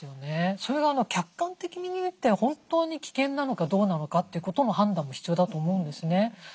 それが客観的に見て本当に危険なのかどうなのかということも判断も必要だと思うんですね。